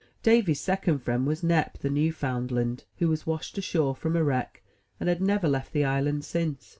*' Davy's second friend was Nep, the Newfoundland, who was washed ashore from a wreck, and had never left the island since.